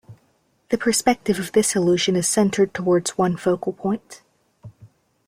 The perspective of this illusion is centered towards one focal point.